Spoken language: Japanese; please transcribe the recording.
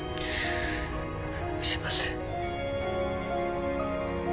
すいません。